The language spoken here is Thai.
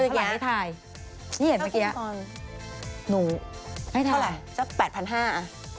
เท่าไหร่ไหมไทยนี่เห็นเมื่อกี้อะหนูให้ทายเท่าไหร่แป๊ะพันห้าอะ